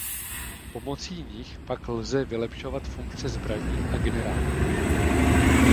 Pomocí nich pak lze vylepšovat funkce zbraní a generátorů.